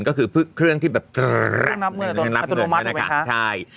ก็คือเครื่องที่แบบนับเงินนับเงินใช่ไหมคะใช่